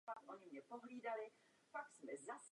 K páření dochází v říjnu a listopadu.